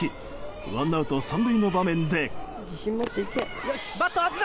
ワンアウト３塁の場面で。